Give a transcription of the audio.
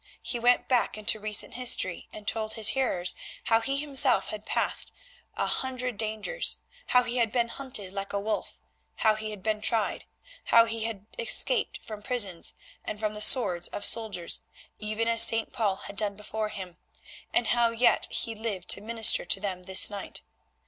He went back into recent history and told his hearers how he himself had passed a hundred dangers; how he had been hunted like a wolf, how he had been tried, how he had escaped from prisons and from the swords of soldiers, even as St. Paul had done before him, and how yet he lived to minister to them this night.